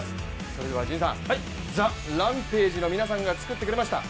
それでは陣さん、ＴＨＥＲＡＭＰＡＧＥの皆さんが作ってくれました